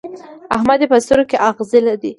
احمد يې په سترګو کې اغزی دی.